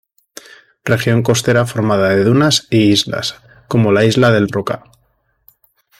Región costera formada de dunas y Islas, como la Isla del Roca.